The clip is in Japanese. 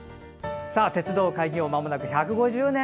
鉄道開業まもなく１５０年。